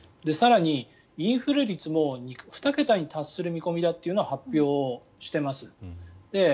更に、インフレ率も２桁に達する見込みだというのも発表しています。